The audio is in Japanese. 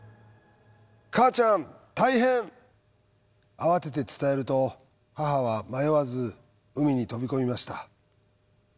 慌てて伝えると母は迷わず海に飛び込みました。